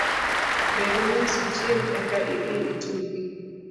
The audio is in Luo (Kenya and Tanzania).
Bed mos ichiem eka idhi itugi.